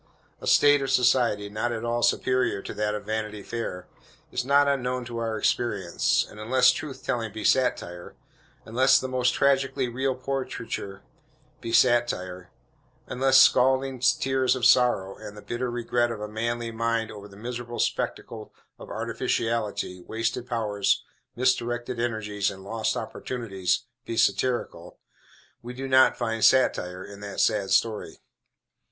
A state of society not at all superior to that of Vanity Fair is not unknown to our experience; and, unless truth telling be satire; unless the most tragically real portraiture be satire; unless scalding tears of sorrow, and the bitter regret of a manly mind over the miserable spectacle of artificiality, wasted powers, misdirected energies, and lost opportunities, be satirical; we do not find satire in that sad story.